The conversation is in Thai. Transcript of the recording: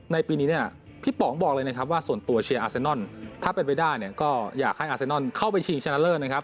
ปีนี้เนี่ยพี่ป๋องบอกเลยนะครับว่าส่วนตัวเชียร์อาเซนอนถ้าเป็นไปได้เนี่ยก็อยากให้อาเซนอนเข้าไปชิงชนะเลิศนะครับ